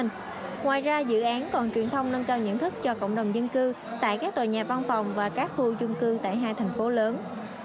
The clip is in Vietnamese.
ngoài ra dự án còn truyền thông nâng cao nhận thức cho cộng đồng dân cư tại các tòa nhà văn phòng và các khu chung cư tại hai thành phố lớn